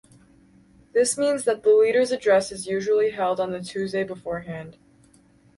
This means that the Leader's address is usually held on the Tuesday beforehand.